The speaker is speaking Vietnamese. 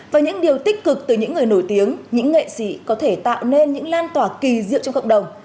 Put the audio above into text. với những điều tích cực từ những người nổi tiếng những nghệ sĩ có thể tạo nên những lan tỏa kỳ diệu trong cộng đồng